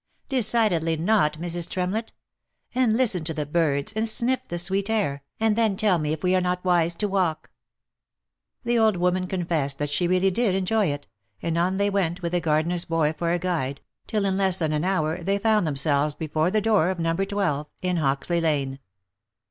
" Decidedly not, Mrs. Tremlett ; and listen to the birds, and sniff the sweet air, and then tell me if we are not wise to walk ?" The old woman confessed that she really did enjoy it, and on they went with the gardener's boy for a guide, till in less than an hour they found themselves before the door of No. 12, in Hoxley lane.